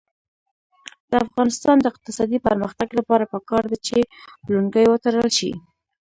د افغانستان د اقتصادي پرمختګ لپاره پکار ده چې لونګۍ وتړل شي.